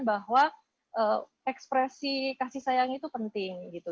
bahwa ekspresi kasih sayang itu penting gitu